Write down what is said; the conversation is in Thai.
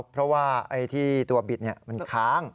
เพราะว่าไอ้ที่ตัวบิดมันค้าง